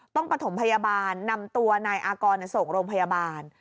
ประถมพยาบาลนำตัวนายอากรส่งโรงพยาบาล